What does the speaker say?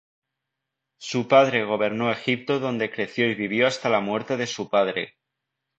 Su padre gobernó Egipto donde creció y vivió hasta la muerte de su padre.